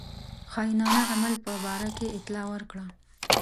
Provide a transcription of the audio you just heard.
خاینانه عمل په باره کې اطلاع ورکړه.